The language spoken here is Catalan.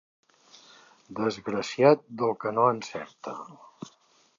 Desgraciat del que no encerta.